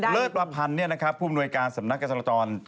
เบอร์ดประพันธุ์ผู้บริมูลการสำนักการจราจร